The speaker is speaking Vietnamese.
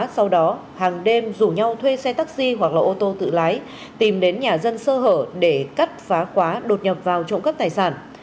sau đó hàng đêm rủ nhau thuê xe taxi hoặc là ô tô tự lái tìm đến nhà dân sơ hở để cắt phá khóa đột nhập vào trộm cắp tài sản